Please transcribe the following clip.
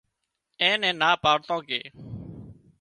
اين نين نا پاڙتان ڪي